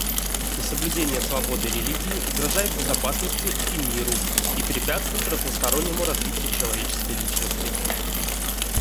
Несоблюдение свободы религии угрожает безопасности и миру и препятствует разностороннему развитию человеческой личности.